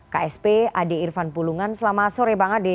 ksp ade irfan pulungan selamat sore bang ade